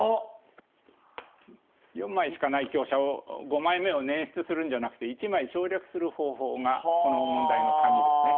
４枚しかない香車を５枚目を捻出するんじゃなくて１枚省略する方法がこの問題の鍵ですね。